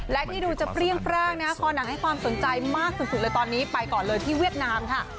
และที่ดูจะเปรี้ยงปร่างนะคอหนังให้ความสนใจมากสุดเลยตอนนี้ไปก่อนเลยที่เวียดนามค่ะ